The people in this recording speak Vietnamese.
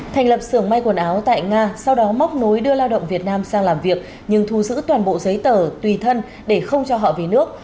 thành lập xưởng may quần áo tại nga sau đó móc nối đưa lao động việt nam sang làm việc nhưng thu giữ toàn bộ giấy tờ tùy thân để không cho họ về nước